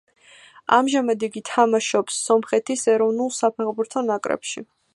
ამჟამად იგი თამაშობს სომხეთის ეროვნულ საფეხბურთო ნაკრებში.